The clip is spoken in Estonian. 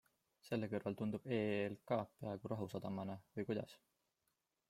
Selle kõrval tundub EELK peaaegu rahusadamana või kuidas?